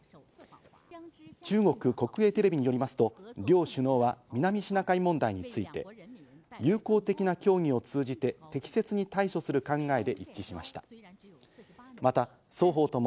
中国国営テレビによりますと、両首脳は南シナ海問題について、友好的な協議を通じて適切に対処する考えで一致しました。